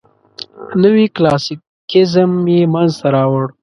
نوي کلاسیکیزم یې منځ ته راوړ.